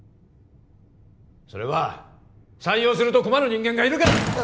それは採用すると困る人間がいるからだ！